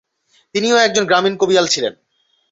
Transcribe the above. তিনিও একজন গ্রামীণ কবিয়াল ছিলেন।